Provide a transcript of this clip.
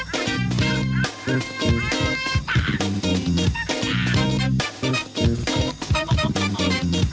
เพิ่มเวลา